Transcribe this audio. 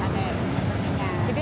jadi untuk menyangkutnya